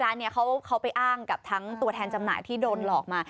ร้านนี้เขาไปอ้างกับทั้งตัวแทนจำหน่ายที่โดนหลอกมา